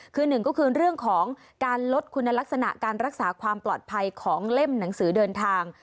คือหนึ่งก็คือเรื่องของการลดคุณลักษณะการรักษาความปลอดภัยของเล่มหนังสือเดินทาง